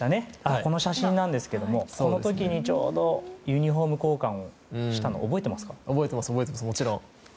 この写真なんですけどこの時に、ちょうどユニホーム交換をしたの覚えています、もちろん。